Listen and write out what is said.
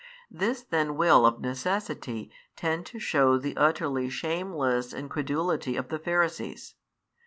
This then will of necessity tend to shew the utterly shameless incredulity of the Pharisees.